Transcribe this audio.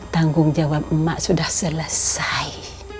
tanggung jawab emak sudah selesai